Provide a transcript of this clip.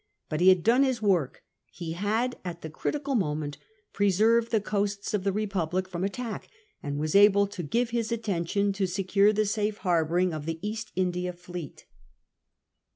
But he had done his work ; he had at the critical moment preserved the coasts of the Republic from attack, and was able to give his attention to secure the safe harbouring of the East India fleet.